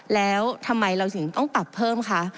แล้วทำไมเราถึงต้องปรับเพิ่มคะ